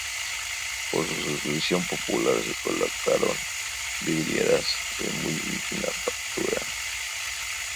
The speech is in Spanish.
Por suscripción popular se colocaron vidrieras de muy digna factura.